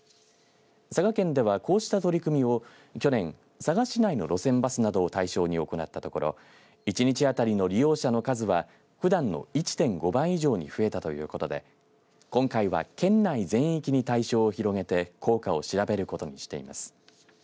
佐賀県では、こうした取り組みを去年、佐賀市内の路線バスなどを対象に行ったところ１日当たりの利用者の数はふだんの１．５倍以上に増えたということで今回は県内全域に対象を広げて効果を調べることにしています。